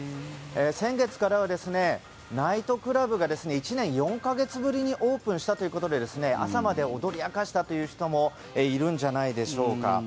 先月からはナイトクラブが１年４か月ぶりにオープンしたということで朝まで踊り明かしたという人もいるんじゃないでしょうか。